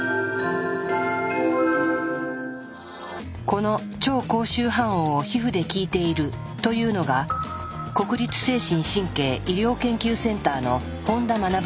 この超高周波音を皮膚で聞いているというのが国立精神・神経医療研究センターの本田学さん。